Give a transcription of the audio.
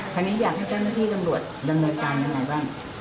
ตอนนี้อยากให้เจ้าหน้าที่ตำรวจดำเนินการยังไงบ้าง